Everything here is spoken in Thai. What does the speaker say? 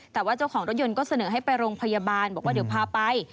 แต่ว่าเจ้าของรถยนต์ก็เสนอให้ไปโรงพยาบาลบอกว่าเดี๋ยวพาไป